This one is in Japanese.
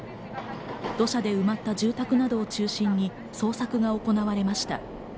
土砂で埋まった住宅などを中心に捜索が行われました。